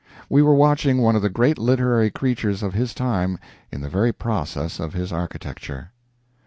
We were watching one of the great literary creators of his time in the very process of his architecture.